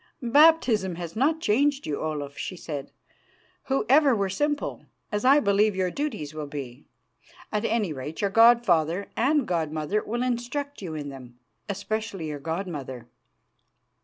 "Baptism has not changed you, Olaf," she said, "who ever were simple, as I believe your duties will be. At any rate, your god father and god mother will instruct you in them especially your god mother.